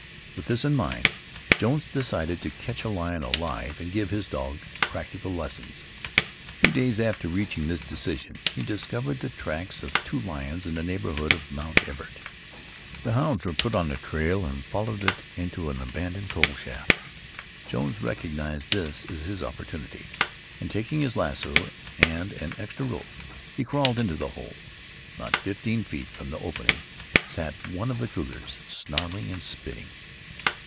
With this in mind, Jones decided to catch a lion alive and give his dogs practical lessons. A few days after reaching this decision, he discovered the tracks of two lions in the neighborhood of Mt. Everett. The hounds were put on the trail and followed it into an abandoned coal shaft. Jones recognized this as his opportunity, and taking his lasso and an extra rope, he crawled into the hole. Not fifteen feet from the opening sat one of the cougars, snarling and spitting.